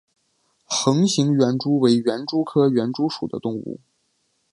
横形园蛛为园蛛科园蛛属的动物。